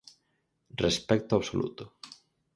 Respecto absoluto.